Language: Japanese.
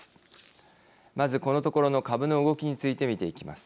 まずこのところの株の動きについて見ていきます。